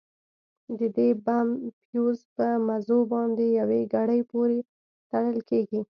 د دې بم فيوز په مزو باندې يوې ګړۍ پورې تړل کېږي.